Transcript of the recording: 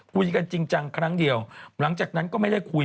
คุยกันจริงจังครั้งเดียวหลังจากนั้นก็ไม่ได้คุย